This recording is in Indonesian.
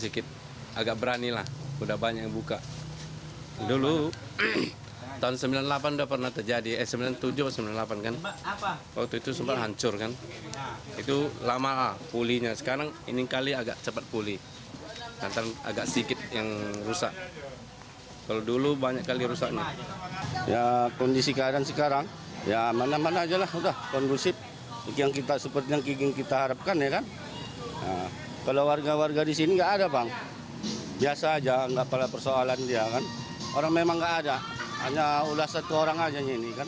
kalau dulu banyak kali rusaknya